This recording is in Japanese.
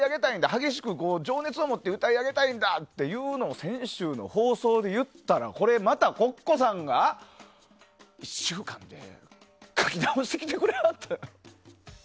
激しく情熱を持って歌い上げたいんだっていうのを先週の放送で言ったらこれまたＣｏｃｃｏさんが１週間で書き直してくれはった。